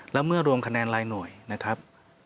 แล้วเมื่อรวมคะแนนรายหน่วยนะครับ